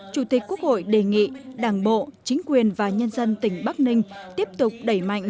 chủ tịch quốc hội đề nghị đảng bộ chính quyền và nhân dân tỉnh bắc ninh tiếp tục đẩy mạnh